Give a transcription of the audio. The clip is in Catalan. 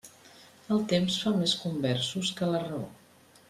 El temps fa més conversos que la raó.